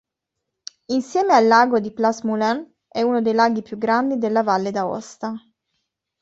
Insieme al lago di Place-Moulin è uno dei laghi più grandi della Valle d'Aosta.